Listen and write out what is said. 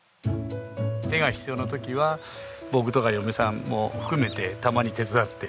手が必要な時は僕とか嫁さんも含めてたまに手伝って。